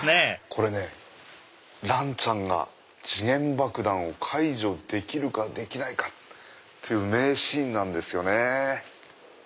これ蘭ちゃんが時限爆弾を解除できるかできないかっていう名シーンなんですよね。